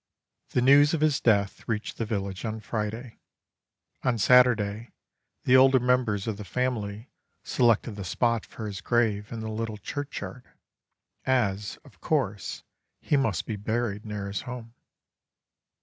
The news of his death reached the village on Friday. On Saturday the older members of the family selected the spot for his grave in the little churchyard, as, of course, he must be buried near his home.